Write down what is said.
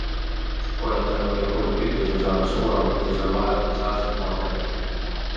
Kui etanooli hulk kütuses aga suur on, siis on vaja spetsiaalseid mootoreid.